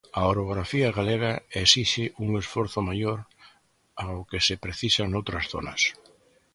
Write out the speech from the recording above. A orografía galega esixe un esforzo maior ao que se precisa noutras zonas.